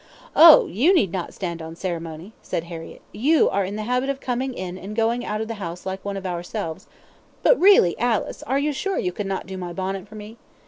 "Oh! you need not stand on ceremony," said Harriett; "you are in the habit of coming in and going out of the house like one of ourselves; but really, Alice, are you sure you could not do my bonnet for me?